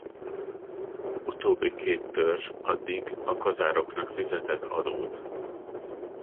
Utóbbi két törzs addig a kazároknak fizetett adót.